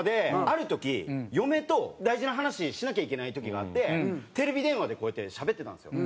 ある時嫁と大事な話しなきゃいけない時があってテレビ電話でこうやってしゃべってたんですよ。